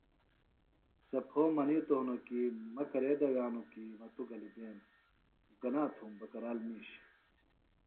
سےۡ پھو منِیتوۡ ہنوۡ کیۡ مہ کرے دوئانوۡ کیۡ مہ توۡ گلیۡ بیم خُو کنا تُھوم بکرال مِیش